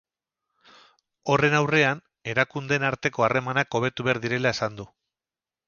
Horren aurrean, erakundeen arteko harremanak hobetu behar direla esan du.